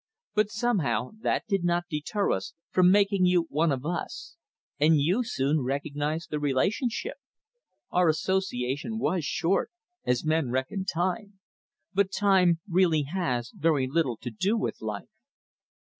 But somehow that did not deter us from making you one of us, and you soon recognized the relationship. Our association was short, as men reckon time, but time really has very little to do with life.